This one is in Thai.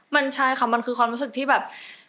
มันใช่ค่ะมันคือความรู้สึกที่แบบ